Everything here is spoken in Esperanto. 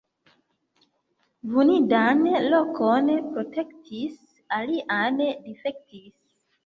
Vundan lokon protektis, alian difektis.